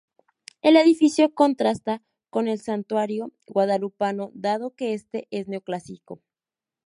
El edificio contrasta con el Santuario Guadalupano, dado que este es neoclásico.